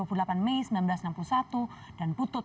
dan putut akan memasuki pensiun